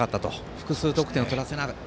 複数得点を取らせなかった。